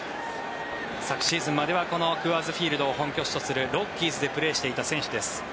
昨シーズンまではクアーズ・フィールドを本拠地とするロッキーズでプレーしていた選手です。